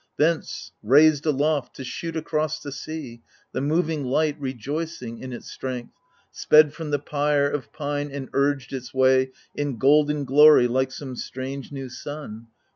Thence, raised aloft to shoot across the sea, The moving light, rejoicing in its strength. Sped from the pyre of pine, and urged its way. In golden glory, like some strange new sun.